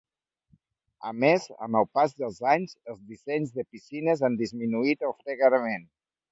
A més, amb el pas dels anys, els dissenys de piscines han disminuït el fregament.